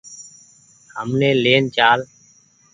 همني لين چآل۔